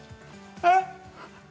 えっ